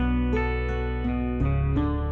aku mau ke rumah